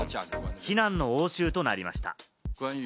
非難の応酬となりました。